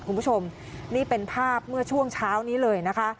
คุณผู้ชมนี่เป็นภาพเมื่อช่วงเช้านี้เลยนะคะ